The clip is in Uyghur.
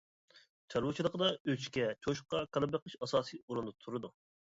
چارۋىچىلىقىدا ئۆچكە، چوشقا، كالا بېقىش ئاساسىي ئورۇندا تۇرىدۇ.